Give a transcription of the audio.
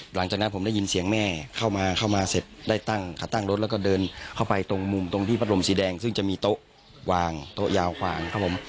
หลังจากนั้นผมได้ยินเสียงแม่เข้ามาเข้ามาเสร็จได้ตั้งรถแล้วก็เดินเข้าไปตรงมุมตรงที่พัดลมสีแดงซึ่งจะมีโต๊ะวางโต๊ะยาวกวางครับผม